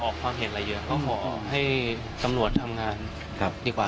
ก็ทราบค่ะแต่ยังไม่พอพูดว่า